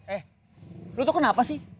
eh lu tuh kenapa sih